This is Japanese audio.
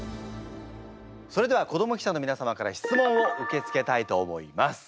それでは子ども記者の皆様から質問を受け付けたいと思います。